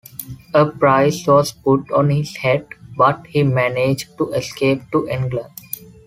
A price was put on his head, but he managed to escape to England.